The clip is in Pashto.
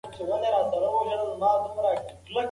سپورت د زړه لپاره ګټور دی.